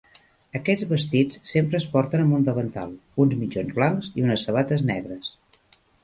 Aquests vestits sempre es porten amb un davantal, uns mitjons blancs i unes sabates negres.